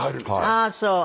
ああそう。